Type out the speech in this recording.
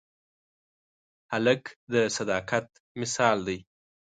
هلک د صداقت مثال دی.